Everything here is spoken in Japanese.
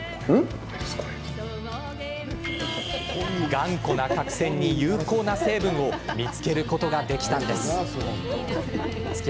頑固な角栓に有効な成分を見つけることができたんです。